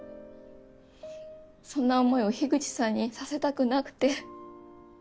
そんな思いを樋口さんにさせたくなくて。